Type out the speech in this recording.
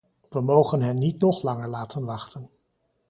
We mogen hen niet nog langer laten wachten.